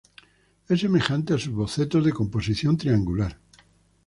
Es semejante a sus bocetos de composición triangular.